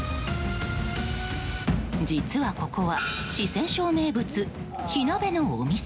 実はここは四川省名物、火鍋のお店。